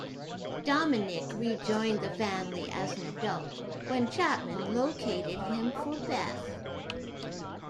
Dominic rejoined the family as an adult, when Chapman located him for Beth.